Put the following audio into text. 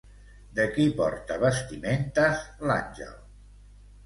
De qui porta vestimentes l'àngel?